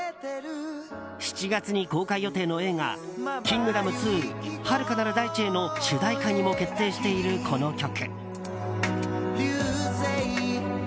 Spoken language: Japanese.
７月に公開予定の映画「キングダム２遥かなる大地へ」の主題歌にも決定しているこの曲。